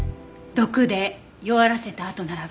毒で弱らせたあとならば。